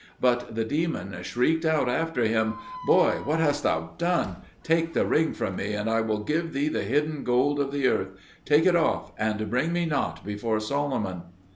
But the demon shrieked out after him, "Boy, what hast thou done? Take the ring from me, and I will give thee the hidden gold of the earth; take it off, and bring me not before Solomon!"